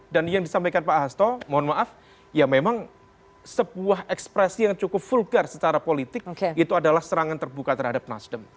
dan yang disampaikan pak hasto mohon maaf ya memang sebuah ekspresi yang cukup vulgar secara politik itu adalah serangan terbuka terhadap nasdem